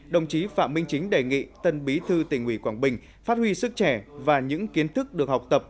đồng chí phạm minh chính đề nghị tân bí thư tỉnh ủy quảng bình phát huy sức trẻ và những kiến thức được học tập